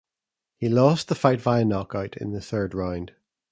He lost the fight via knockout in the third round.